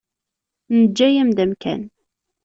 Neǧǧa-yam-d amkan.